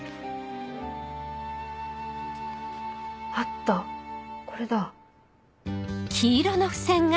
あったこれだ。